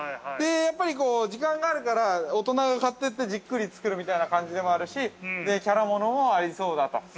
やっぱり時間があるから大人が買っていってじっくり作るみたいな感じでもあるしキャラものは合いそうだと。